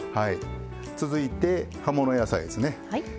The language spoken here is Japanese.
続いて葉物野菜ですね。